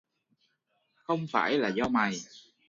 Không phải là do mày